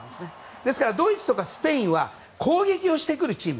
ですから、ドイツとかスペインは攻撃をしてくるチーム。